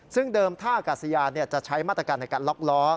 ซึ่งเดิมท่ากาศยานจะใช้มาตรการในการล็อกล้อ